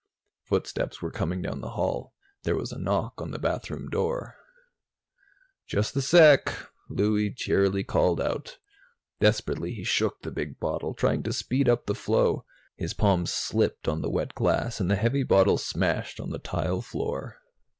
Footsteps were coming down the hall. There was a knock on the bathroom door. "Just a sec," Lou cheerily called out. Desperately, he shook the big bottle, trying to speed up the flow. His palms slipped on the wet glass, and the heavy bottle smashed on the tile floor.